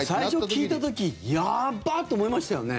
最初聞いた時やばっ！って思いましたよね。